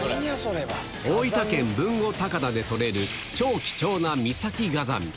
大分県豊後高田で取れる超貴重な岬ガザミ。